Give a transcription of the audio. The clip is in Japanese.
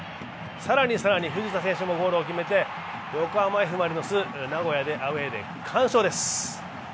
更に更に、藤田選手もゴールを決めて、横浜Ｆ・マリノス、名古屋のアウェーで完勝です。